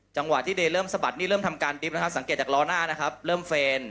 จังหวะที่เดย์เริ่มสะบัดนี่เริ่มทำการดิบนะครับสังเกตจากล้อหน้านะครับเริ่มเฟรน